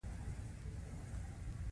زه نادانه څنګه نه وم پرې پوه شوې؟!